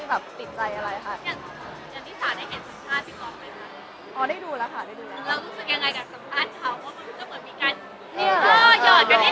ว่ามันจะเหมือนมีการหยอดกันด้วย